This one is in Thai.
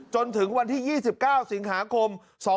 จนถึงวันที่๒๙สิงหาคม๒๕๖